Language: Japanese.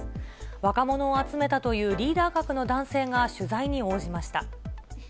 若者を集めたというリーダー格の男性が取材に応じました。